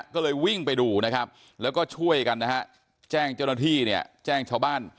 ก็เลยวิ่งไปดูนะครับแล้วก็ช่วยกันนะฮะแจ้งเจ้าหน้าที่เนี่ยแจ้งชาวบ้าน